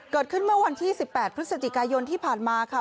เกิดขึ้นเมื่อวันที่๑๘พฤศจิกายนที่ผ่านมาค่ะ